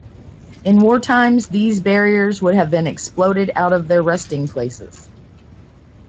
In war times these barriers would have been exploded out of their resting places.